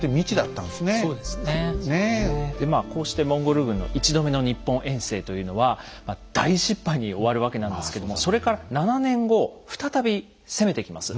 でまあこうしてモンゴル軍の１度目の日本遠征というのは大失敗に終わるわけなんですけどもそれから７年後再び攻めてきます。